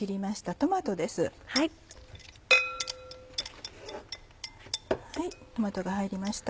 トマトが入りました。